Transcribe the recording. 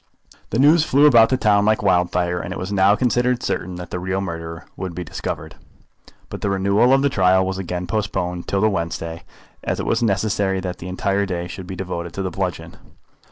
The news flew about the town like wildfire, and it was now considered certain that the real murderer would be discovered. [Illustration: The boy who found the bludgeon.] But the renewal of the trial was again postponed till the Wednesday, as it was necessary that an entire day should be devoted to the bludgeon.